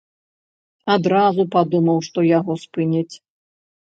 Адразу падумаў, што яго спыняць.